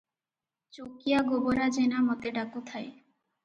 ଚୌକିଆ ଗୋବରା ଜେନା ମୋତେ ଡାକୁଥାଏ ।